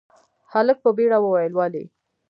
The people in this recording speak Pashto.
هلک په بيړه وويل، ولې؟